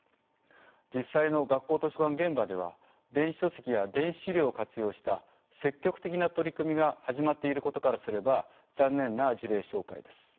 実際の学校図書館現場では電子書籍や電子資料を活用した積極的な取り組みが始まっていることからすれば残念な事例紹介です。